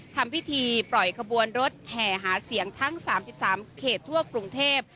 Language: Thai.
ทำพิธีปล่อยขบวนรถแห่หาเสียงทั้ง๓๓เขตทั่วกรุงเทพ